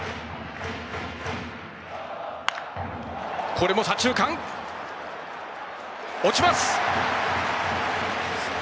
これも左中間に落ちる。